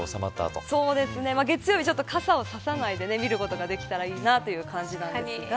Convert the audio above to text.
月曜日、ちょっと傘を差さないで見ることができたらいいなという感じなんですが。